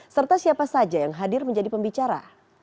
serta siapa saja yang hadir menjadi pembicara